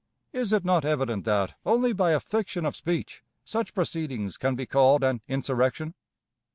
Is it not evident that, only by a fiction of speech, such proceedings can be called an insurrection?